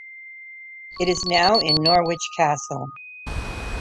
It is now in Norwich Castle.